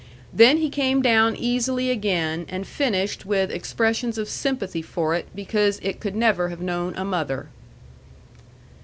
Then he came down easily again, and finished with expressions of sympathy for it because it could never have known a mother.